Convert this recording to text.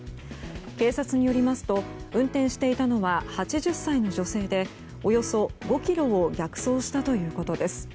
警察によりますと運転していたのは８０歳の女性で、およそ５ｋｍを逆走したということです。